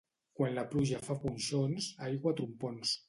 Quan la pluja fa punxons, aigua a trompons.